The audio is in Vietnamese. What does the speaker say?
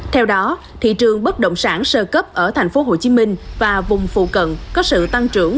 theo đó thị trường bất động sản sơ cấp ở tp hcm và vùng phụ cận có sự tăng trưởng